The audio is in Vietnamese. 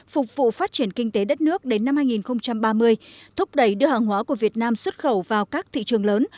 phục vụ phát triển kinh tế đất nước đến năm hai nghìn ba mươi thúc đẩy đưa hàng hóa của việt nam xuất khẩu vào các thị trường lớn